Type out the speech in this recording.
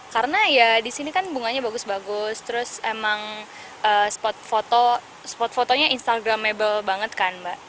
karena ya di sini kan bunganya bagus bagus terus emang spot fotonya instagramable banget kan mbak